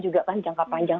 juga kan jangka panjang